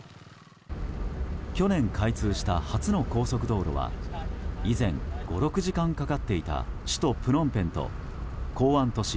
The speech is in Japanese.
去年、開通した初の高速道路は以前５６時間かかっていた首都プノンペンと港湾都市